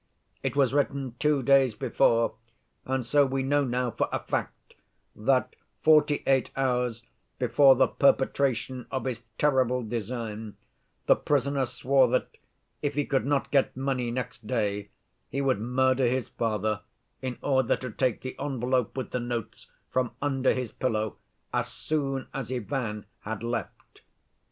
It was written two days before, and so we know now for a fact that, forty‐eight hours before the perpetration of his terrible design, the prisoner swore that, if he could not get money next day, he would murder his father in order to take the envelope with the notes from under his pillow, as soon as Ivan had left.